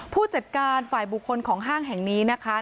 ผู้จัดการฝ่ายบุคคลของห้างแห่งนี้นะคะ